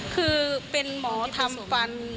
คือเป็นหมอทำฟัน